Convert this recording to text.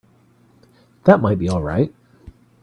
That might be all right.